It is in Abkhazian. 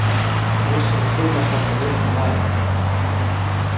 Ус рхәы инахатәаны ирфалааит!